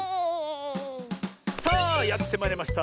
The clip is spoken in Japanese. さあやってまいりました